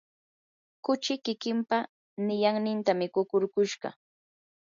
kuchi kikimpa niyanninta mikukurkushqa.